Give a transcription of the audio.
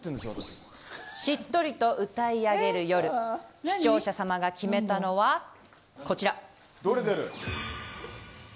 しっとりと歌い上げる夜視聴者さまが決めたのはこちら。